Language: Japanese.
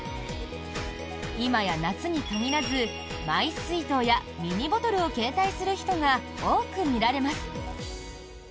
今や夏に限らず、マイ水筒やミニボトルを携帯する人が多く見られます。